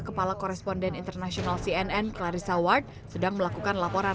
kepala koresponden internasional cnn clarissa ward sedang melakukan laporan